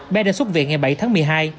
bé đã xuất viện ngày bảy tháng một mươi hai